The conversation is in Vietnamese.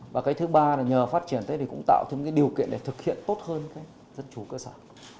và cái thứ ba là nhờ phát triển thế thì cũng tạo thêm cái điều kiện để thực hiện tốt hơn cái dân chủ cơ sở